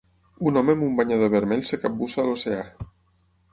Un home amb un banyador vermell es capbussa a l'oceà.